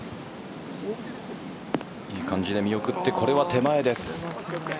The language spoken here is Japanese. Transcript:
いい感じで見送ってこれは手前です。